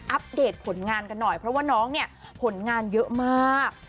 เดตผลงานกันหน่อยเพราะว่าน้องเนี่ยผลงานเยอะมาก